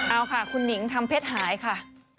เอาค่ะคุณหนิงทำเพชรหายค่ะ